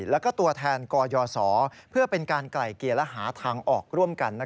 แล้วก็ตัวแทนกยศเพื่อเป็นการไกลเกลี่ยและหาทางออกร่วมกัน